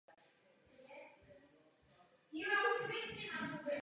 Pojmenování je podle názvu městské čtvrti Slovany.